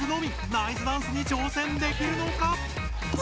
ナイスダンスに挑戦できるのか？